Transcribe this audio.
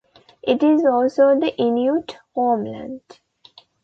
It is also the Inuit homeland.